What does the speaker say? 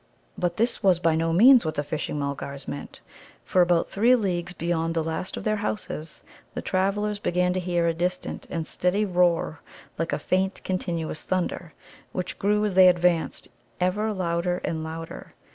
But this was by no means what the Fishing mulgars meant. For, about three leagues beyond the last of their houses, the travellers began to hear a distant and steady roar, like a faint, continuous thunder, which grew as they advanced ever louder and louder.